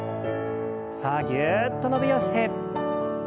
さあぎゅっと伸びをして。